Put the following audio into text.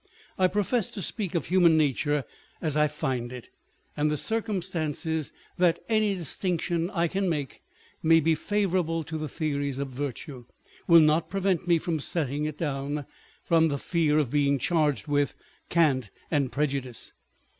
I profess to speak of human nature as I find it ; and the circumstance that any distinction I can make may be favourable to the theories of virtue, will not prevent me from setting it down, from the fear of being charged with cant and pre judice.